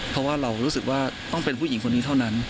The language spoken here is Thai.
เพราะว่าเรารู้สึกว่าต้องเป็นผู้หญิงคนนี้เท่านั้น